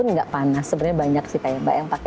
jadi nggak panas sebenarnya banyak sih kayak mbak yang pakai